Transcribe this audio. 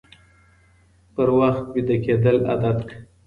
پر وخت ويده کېدل عادت کړه